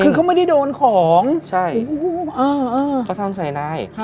คือเขาไม่ได้โดนของใช่เขาทำใส่นาย